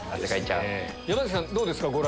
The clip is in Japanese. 山さんどうですか？